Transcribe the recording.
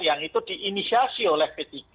yang itu diinisiasi oleh p tiga